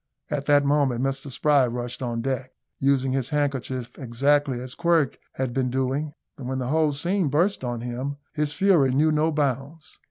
At that moment Mr Spry rushed on deck, using his handkerchief exactly as Quirk had been doing. When the whole scene burst on him, his fury knew no bounds.